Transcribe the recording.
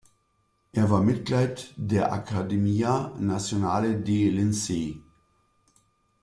Er war Mitglied der Accademia Nazionale dei Lincei.